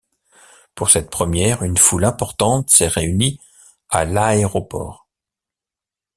Pour cette première, une foule importante s’est réunie à l’aéroport.